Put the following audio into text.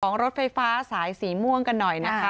รถไฟฟ้าสายสีม่วงกันหน่อยนะคะ